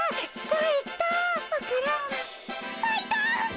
さいた！